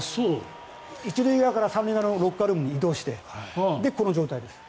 １塁側から３塁側のロッカールームに移動してこの状態です。